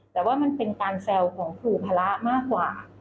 แต่ว่ามันเป็นการแซวของครูพระมากกว่า